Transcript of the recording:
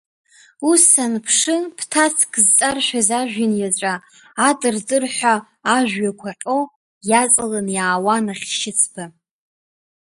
Ус саныԥшы ԥҭацк зҵаршәыз ажәҩан иаҵәа, атыртырҳәа ажәҩақәа ҟьо иаҵаланы иаауан ахьшьыцба.